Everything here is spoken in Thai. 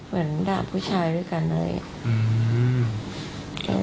เหมือนด่าผู้ชายด้วยกันอะไรอย่างนี้